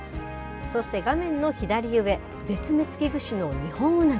そして画面の左上、絶滅危惧種のニホンウナギ。